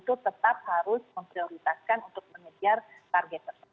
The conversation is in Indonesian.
kita harus prioritaskan untuk mengejar target tersebut